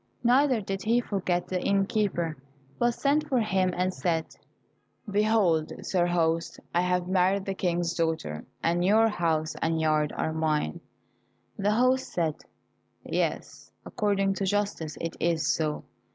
Neither did he forget the inn keeper, but sent for him and said, "Behold, sir host, I have married the King's daughter, and your house and yard are mine." The host said, "Yes, according to justice it is so."